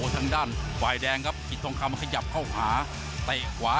ทางด้านร้ายแดงครับนั่งมาขยับเข้าขีดขวา